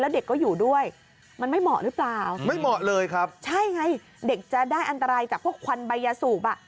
เด็กก็อยู่ด้วยมันไม่เหมาะหรือเปล่าไม่เหมาะเลยครับใช่ไงเด็กจะได้อันตรายจากพวกควันใบยาสูบอ่ะ